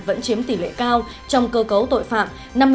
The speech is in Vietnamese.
vẫn chiếm tỷ lệ cao trong cơ cấu tội phạm năm mươi một bảy mươi chín